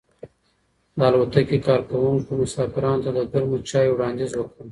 د الوتکې کارکونکو مسافرانو ته د ګرمو چایو وړاندیز وکړ.